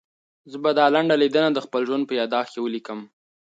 زه به دا لنډه لیدنه د خپل ژوند په یادښت کې ولیکم.